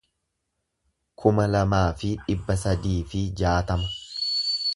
kuma lamaa fi dhibba sadii fi jaatama